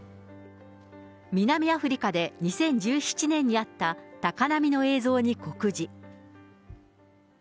南アフリカで２０１７年にあった高波の映像に酷似。